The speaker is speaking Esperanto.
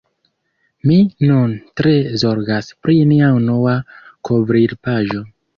Mi nun tre zorgas pri nia unua kovrilpaĝo.